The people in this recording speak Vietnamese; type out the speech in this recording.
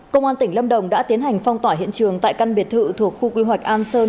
công an tỉnh lâm đồng đã tiến hành phong tỏa hiện trường tại căn biệt thự thuộc khu quy hoạch an sơn